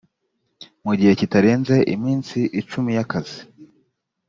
mu gihe kitarenze iminsi icumi y akazi